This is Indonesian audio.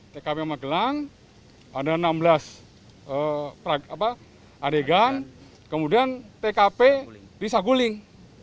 tkp magelang ada enam belas adegan kemudian tkp bisa guling